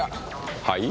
はい？